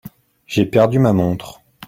J'ai perdu ma montre.